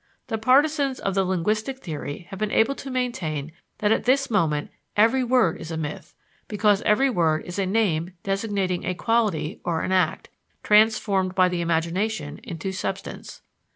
The partisans of the linguistic theory have been able to maintain that at this moment every word is a myth, because every word is a name designating a quality or an act, transformed by the imagination into substance.